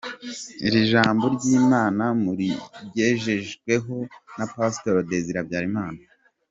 Iri jambo ry’Imana murigejejweho na Pastor Désiré Habyarimana.